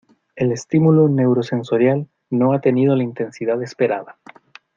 El estímulo neurosensorial no ha tenido la intensidad esperada.